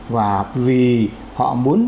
và vì họ muốn